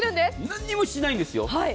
何もしていないんですよ。